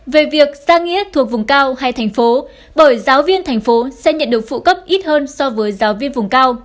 về việc gia nghĩa thuộc vùng cao hay thành phố bởi giáo viên thành phố sẽ nhận được phụ cấp ít hơn so với giáo viên vùng cao